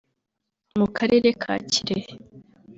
mu karere ka Kirehe